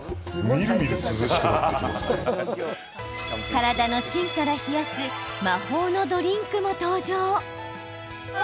体の芯から冷やす魔法のドリンクも登場。